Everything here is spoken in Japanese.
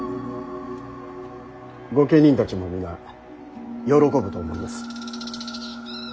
御家人たちも皆喜ぶと思います。